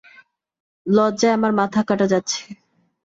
লজ্জায় আমার মাথা কাটা যাচ্ছে।